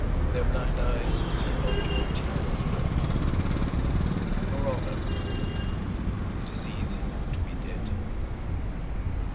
Their blind eyes see not your tears flow. Nor honour. It is easy to be dead.